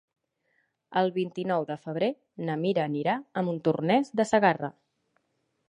El vint-i-nou de febrer na Mira anirà a Montornès de Segarra.